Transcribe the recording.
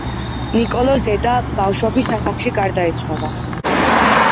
ნიკოლოზს დედა ბავშვობის ასაკში გარდაეცვალა.